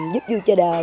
giúp vui cho đời